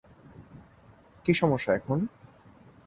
কি সমস্যা এখন?